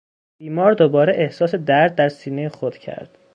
بیمار دوباره احساس درد در سینهی خود کرد.